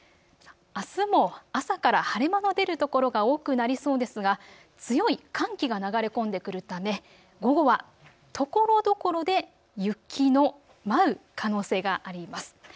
あすも朝から晴れ間の出る所が多くなりそうですが強い寒気が流れ込んでくるため午後はところどころで雪の舞う可能性があります。